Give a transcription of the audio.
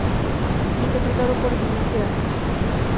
Interpretado por Vin Diesel.